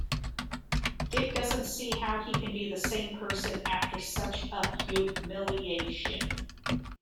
Dick doesn't see how he can be the same person after such a humiliation.